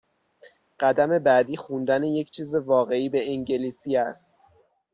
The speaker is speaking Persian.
قدم بعدی خوندن یک چیز واقعی به انگلیسی است.